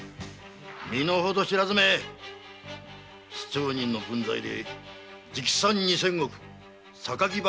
身のほど知らずめ素町人の分際で直参二千石榊原